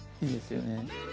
いいですよね。